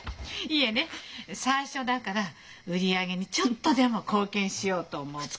いえね最初だから売り上げにちょっとでも貢献しようと思って。